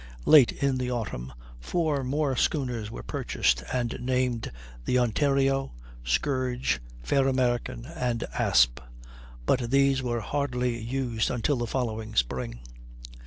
Late in the autumn, four more schooners were purchased, and named the Ontario, Scourge, Fair American, and Asp, but these were hardly used until the following spring.